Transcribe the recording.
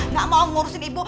gak mau ngurusin ibu